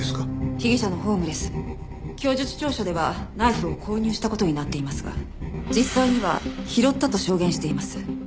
被疑者のホームレス供述調書ではナイフを購入した事になっていますが実際には拾ったと証言しています。